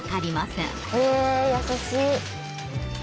へえ優しい。